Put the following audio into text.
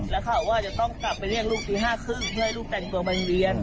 แล้วเขาว่าจะต้องกลับไปเรียกลูกตี๕๓๐เพื่อให้ลูกแต่งตัวมันเวียน